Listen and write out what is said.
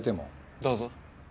どうぞ。